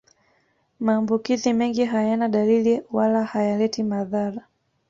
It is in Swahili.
Maambukizi mengi hayana dalili wala hayaleti madhara